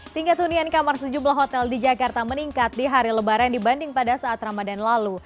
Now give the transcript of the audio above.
tingkat hunian kamar sejumlah hotel di jakarta meningkat di hari lebaran dibanding pada saat ramadan lalu